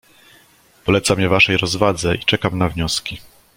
"Polecam je waszej rozwadze i czekam na wnioski."